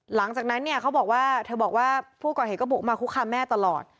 หลังจากนั้นเนี่ยเขาบอกว่าเธอบอกว่าผู้ก่อเหตุก็บุกมาคุกคามแม่ตลอด